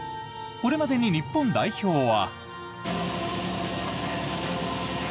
これまでに日本代表は。